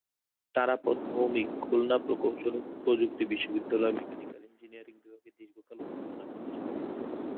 তারাপদ ভৌমিক খুলনা প্রকৌশল ও প্রযুক্তি বিশ্ববিদ্যালয়ের মেকানিক্যাল ইঞ্জিনিয়ারিং বিভাগে দীর্ঘকাল অধ্যাপনা করেছেন।